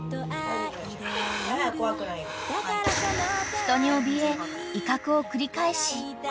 ［人におびえ威嚇を繰り返し］